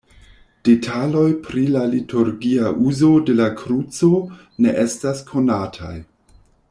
Detaloj pri la liturgia uzo de la kruco ne estas konataj.